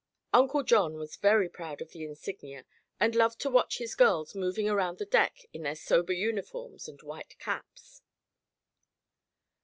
Uncle John was very proud of the insignia and loved to watch his girls moving around the deck in their sober uniforms and white caps.